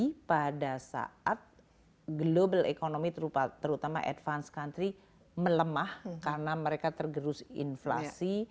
tapi pada saat global economy terutama advance country melemah karena mereka tergerus inflasi